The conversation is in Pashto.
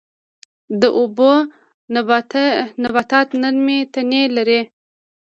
د اوبو نباتات نرمې تنې لري